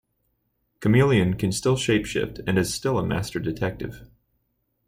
Chameleon can still shapeshift and is still a master detective.